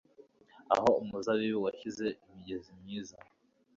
aho umuzabibu washinze imigezi myiza